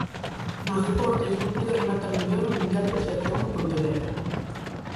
Nos deportes, non puido rematar mellor o Mundial de Tríatlon en Pontevedra.